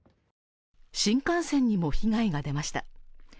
新幹線にも被害が出ました。